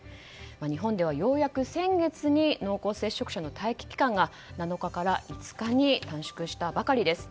日本ではようやく先月に濃厚接触者の待機期間が７日から５日に短縮したばかりです。